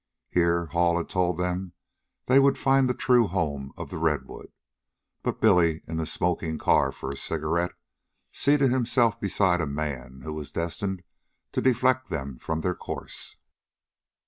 Here, Hall had told them, they would find the true home of the redwood. But Billy, in the smoking car for a cigarette, seated himself beside a man who was destined to deflect them from their course.